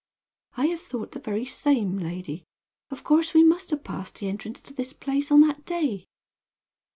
"I have thought the very same, lady. Of course we must have passed the entrance to this place on that day."